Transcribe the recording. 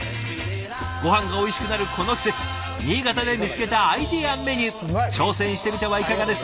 ごはんがおいしくなるこの季節新潟で見つけたアイデアメニュー挑戦してみてはいかがです？